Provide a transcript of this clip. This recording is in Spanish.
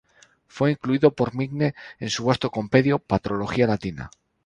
Fue incluido por Migne en su vasto compendio "Patrología latina".